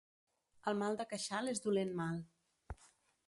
El mal de queixal és dolent mal.